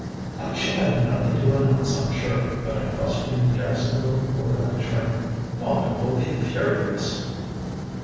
"I shall have nothing to announce, I'm sure. But I must be in Jacksonville before that train. Father will be furious."